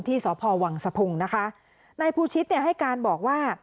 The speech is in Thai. สพวังสะพุงนะคะนายภูชิตเนี่ยให้การบอกว่า